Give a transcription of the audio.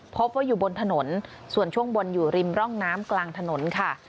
พบว่าอยู่บนถนนส่วนช่วงบนอยู่ริมร่องน้ำกลางถนนค่ะ